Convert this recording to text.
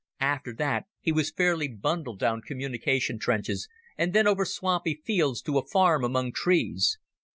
After that he was fairly bundled down communication trenches and then over swampy fields to a farm among trees.